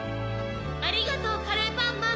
ありがとうカレーパンマン！